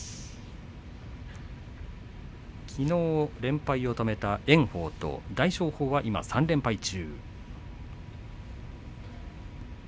きのう連敗を止めた炎鵬と大翔鵬が、今３連勝中。